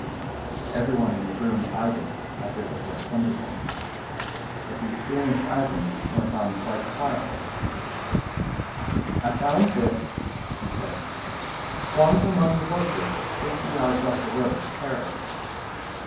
Everyone in the room eyed it as if it were a thunderbolt; but the experienced Ivan went on quite quietly: "I found this," he said, "flung among the bushes fifty yards up the road to Paris.